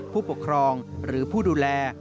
ผู้ปกครองหรือผู้ดูแล